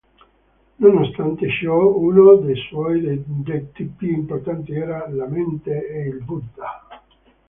Nonostante ciò, uno dei suoi detti più importanti era "La mente è il Buddha".